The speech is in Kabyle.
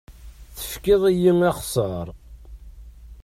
Tefkiḍ-iyi axessaṛ.